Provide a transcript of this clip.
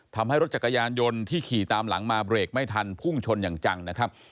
ทำให้รถจักรยานยนต์ที่ขี่ตามหลังมาเบรกไม่ทันพุ่งชนอย่างจังนะครับ